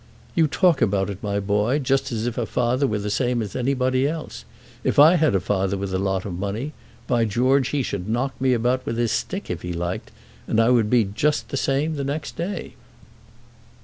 "You talk about it, my boy, just as if a father were the same as anybody else. If I had a father with a lot of money, by George he should knock me about with his stick if he liked, and I would be just the same the next day."